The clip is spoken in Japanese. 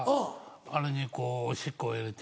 あれにこうおしっこを入れて。